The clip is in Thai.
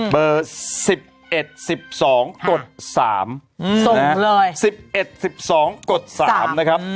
เบอร์สิบเอ็ดสิบสองกดสามส่งเลยสิบเอ็ดสิบสองกดสามนะครับ